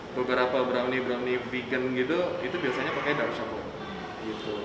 atau beberapa brownie brownie vegan gitu itu biasanya pakai dark coklat